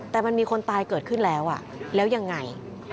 แต่มันมีคนตายเกิดขึ้นแล้วแล้วยังไง